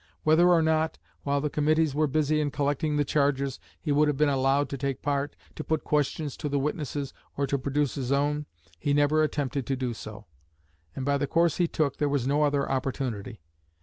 Whether or not, while the Committees were busy in collecting the charges, he would have been allowed to take part, to put questions to the witnesses, or to produce his own, he never attempted to do so; and by the course he took there was no other opportunity.